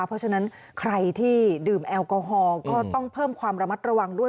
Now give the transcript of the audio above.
เพราะฉะนั้นใครที่ดื่มแอลกอฮอลก็ต้องเพิ่มความระมัดระวังด้วย